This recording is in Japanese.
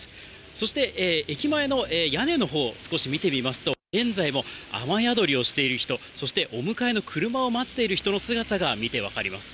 そして、駅前の屋根のほう、少し見てみますと、現在も雨宿りをしている人、そしてお迎えの車を待っている人の姿が見て分かります。